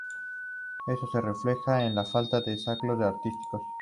Eso se refleja en la falta de reclamos artísticos.